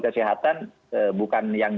kesehatan bukan yang